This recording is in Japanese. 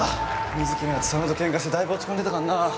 瑞稀のやつ佐野とケンカしてだいぶ落ち込んでたかんなあ。